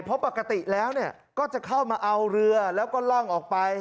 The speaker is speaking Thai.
เพราะปกติแล้วก็จะเข้ามาเอาเรือแล้วก็ล่องออกไป